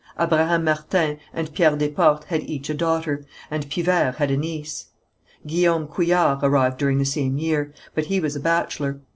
Abraham Martin and Pierre Desportes had each a daughter, and Pivert had a niece. Guillaume Couillard arrived during the same year, but he was a bachelor.